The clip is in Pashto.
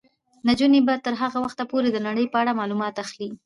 نجونې به تر هغه وخته پورې د نړۍ په اړه معلومات اخلي.